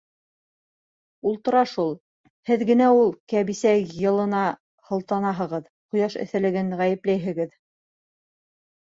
— Ултыра шул. һеҙ генә ул кәбисә йылына һылтанаһығыҙ, ҡояш эҫелеген ғәйепләйһегеҙ.